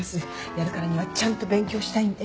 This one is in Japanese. やるからにはちゃんと勉強したいんで。